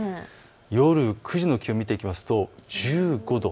夜９時の気温を見ていきますと１５度。